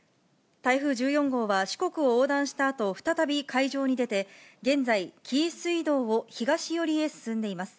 台風１４号は四国を横断したあと、再び海上に出て、現在、紀伊水道を東寄りへ進んでいます。